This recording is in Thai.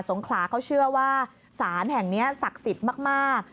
งขลาเขาเชื่อว่าศาลแห่งนี้ศักดิ์สิทธิ์มาก